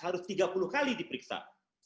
harus tiga puluh kali diperiksa